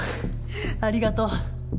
ありがとう。